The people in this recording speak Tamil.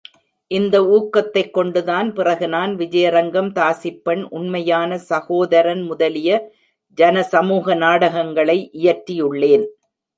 இந்த ஊக்கத்தைக் கொண்டுதான், பிறகு நான், விஜயரங்கம், தாசிப்பெண், உண்மையான சகோதரன் முதலிய ஜனசமூக நாடகங்களை இயற்றியுள்ளேன்.